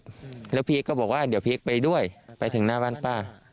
ไปเก็บแล้วพีเอ็กซ์ก็บอกว่าเดี๋ยวพีเอ็กซ์ไปด้วยไปถึงหน้าบ้านป้า